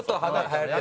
はい。